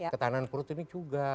ketahanan kurut ini juga